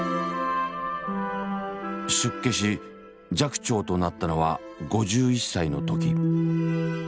出家し寂聴となったのは５１歳の時。